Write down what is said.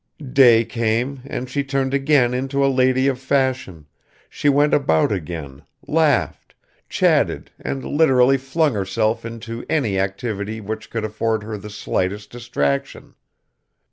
Day came and she turned again into a lady of fashion, she went about again, laughed, chatted and literally flung herself into any activity which could afford her the slightest distraction.